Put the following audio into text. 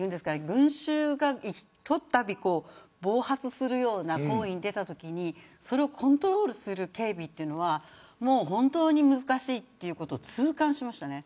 群衆が暴発するような行為に出たときにそれをコントロールする警備は本当に難しいということを痛感しました。